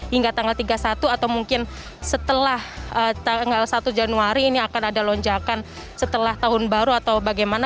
hingga tanggal tiga puluh satu atau mungkin setelah tanggal satu januari ini akan ada lonjakan setelah tahun baru atau bagaimana